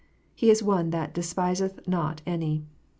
He is one that " despiseth not any."